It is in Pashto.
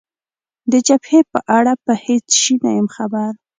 د جبهې په اړه په هېڅ شي نه یم خبر.